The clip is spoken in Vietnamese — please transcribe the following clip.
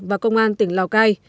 và công an tỉnh lào cai